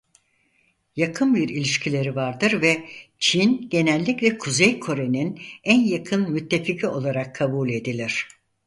Yakın bir ilişkileri vardır ve Çin genellikle Kuzey Kore'nin en yakın müttefiki olarak kabul edilir.